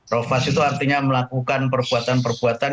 rafas itu artinya melakukan perbuatan perbuatan